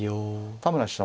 田村七段